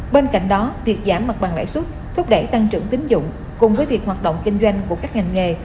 bên cạnh đó việc giảm mặt bằng lãi suất thúc đẩy tăng trưởng tính dụng cùng với việc hoạt động kinh doanh của các ngành nghề